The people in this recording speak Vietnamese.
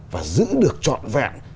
và giữ được trọn vẹn